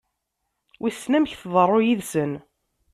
Wissen amek teḍru yid-sen?